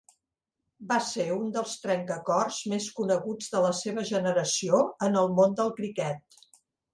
Va ser un dels trencacors més coneguts de la seva generació en el món del criquet.